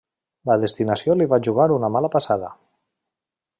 La destinació li va jugar una mala passada.